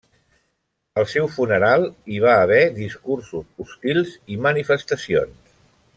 Al seu funeral hi va haver discursos hostils i manifestacions.